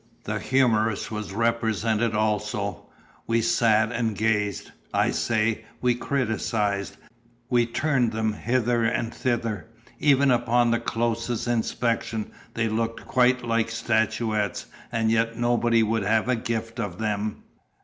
the humorous was represented also. We sat and gazed, I say; we criticised, we turned them hither and thither; even upon the closest inspection they looked quite like statuettes; and yet nobody would have a gift of them!